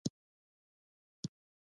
زه تا ته په تمه یم .